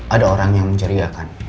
ada orang yang menjerigakan